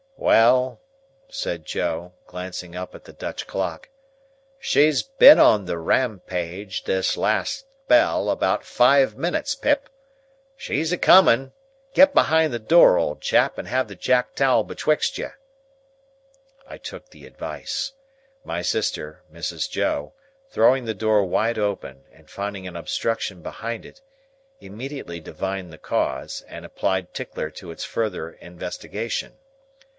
"Well," said Joe, glancing up at the Dutch clock, "she's been on the Ram page, this last spell, about five minutes, Pip. She's a coming! Get behind the door, old chap, and have the jack towel betwixt you." I took the advice. My sister, Mrs. Joe, throwing the door wide open, and finding an obstruction behind it, immediately divined the cause, and applied Tickler to its further investigation.